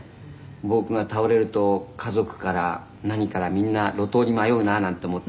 「僕が倒れると家族から何からみんな路頭に迷うななんて思って」